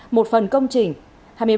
một phần công trình